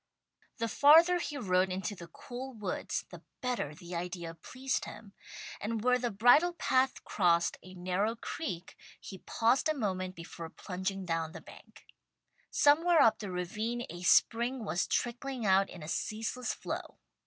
The farther he rode into the cool woods the better the idea pleased him, and where the bridle path crossed a narrow creek he paused a moment before plunging down the bank. Somewhere up the ravine a spring was trickling out in a ceaseless flow.